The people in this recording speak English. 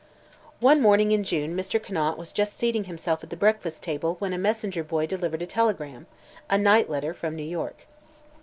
One morning in June Mr. Conant was just seating himself at the breakfast table when a messenger boy delivered a telegram a "night letter" from New York.